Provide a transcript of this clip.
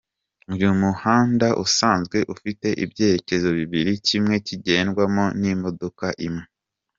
Uyu muhanda usanzwe ufite ibyerekezo bibiri kimwe kigendwamo n’imodoka imwe.